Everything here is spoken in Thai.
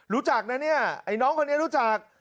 รู้จักนะเนี่ยไอ้น้องคนนี้รู้จัก